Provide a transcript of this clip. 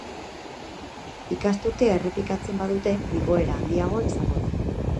Ikasturtea errepikatzen badute, igoera handiagoa izango da.